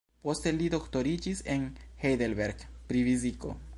Poste li doktoriĝis en Heidelberg pri fiziko.